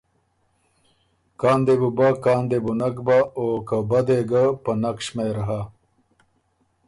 کان دې بُو بَۀ کان دې بُو نک بَۀ او که بَۀ دې ګۀ په نک شمېر هۀ۔